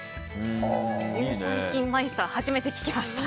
乳酸菌マイスターって初めて聞きました。